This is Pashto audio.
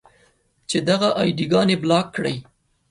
چې دغه اې ډي ګانې بلاک کړئ.